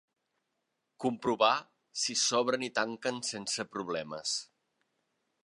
Comprovar si s'obren i tanquen sense problemes.